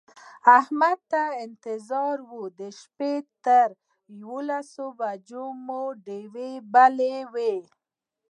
احمد ته انتظار و د شپې تر لسو بجو مو ډېوې بلې وې.